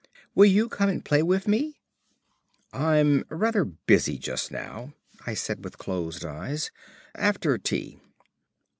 "Will you come and play wiv me?" "I'm rather busy just now," I said with closed eyes. "After tea."